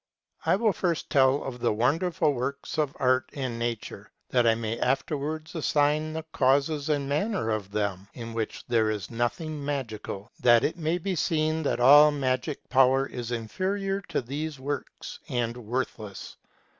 I will first tell of the wonderful works of art and nature, that I may afterwards assign the causes and manner of them, in which there is nothing magical, that it may be seen that all magic power is inferior to these works, and worthless.